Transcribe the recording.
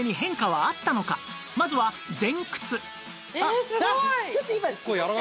まずは前屈